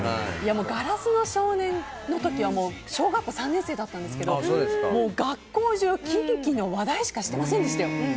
もう、「硝子の少年」の時は私小学校３年生だったんですけど学校中キンキの話題しかしてませんでしたよ。